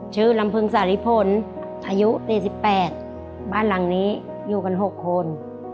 ลำพึงสาริพลอายุ๔๘บ้านหลังนี้อยู่กัน๖คน